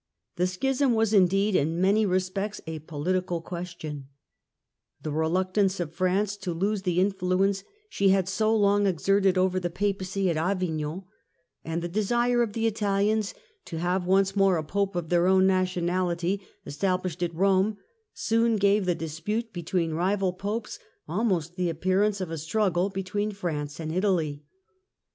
The Schism Political was, indeed, in many respects a political question, 'phg^o'^i^es reluctance of France to lose the influence she had so long exerted over the Papacy at Avignon, and the desire of the Italians to have once more a Pope of their ov^^n nationality established at Rome soon gave the dispute between rival Popes almost the appearance of a struggle between France and Italy.